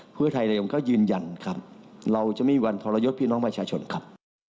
เพื่อไทยนายกก็ยืนยันครับเราจะไม่มีวันทรยศพี่น้องประชาชนครับ